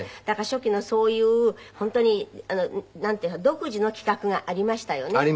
だから初期のそういう本当になんていう独自の企画がありましたよね。